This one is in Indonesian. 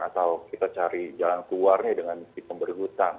atau kita cari jalan keluarnya dengan hitung berhutang